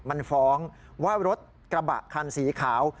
มันฟ้องว่ารถกระบะคันสีขาว